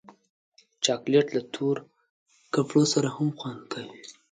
چاکلېټ له تور کپړو سره هم خوند کوي.